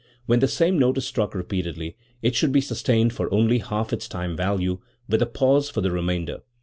When the same note is struck repeatedly it should be sustained for only half its time value, with a pause for the remainder.